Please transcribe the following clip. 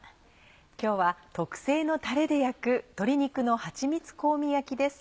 今日は特製のたれで焼く「鶏肉のはちみつ香味焼き」です。